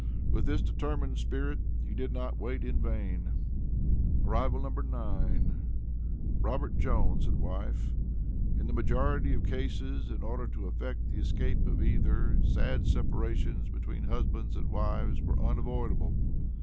With this determined spirit he did not wait in vain. Arrival No. 9. Robert Jones and wife: In the majority of cases, in order to effect the escape of either, sad separations between husbands and wives were unavoidable.